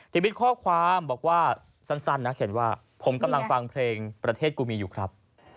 วิทย์ข้อความบอกว่าสั้นนะเขียนว่าผมกำลังฟังเพลงประเทศกูมีอยู่ครับ